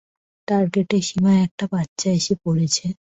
টার্গেটের সীমায় একটা বাচ্চা এসে পড়েছে।